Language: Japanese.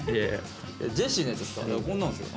ジェシーのやつっすよね？